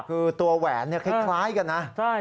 คือตัวแหวนคล้ายกันนะ